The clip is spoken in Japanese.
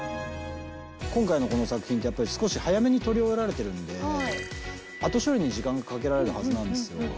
今回のこの作品って少し早めに撮り終えられてるんで後処理に時間がかけられるはずなんですよ